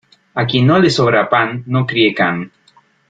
A quien no le sobra pan, no críe can.